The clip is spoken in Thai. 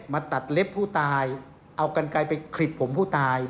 มาตัดเล็บผู้ตายเอากันไกลไปคลิดผมผู้ตาย